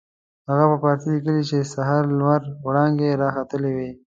هغه په فارسي لیکلي چې د سهار لمر وړانګې را ختلې وې.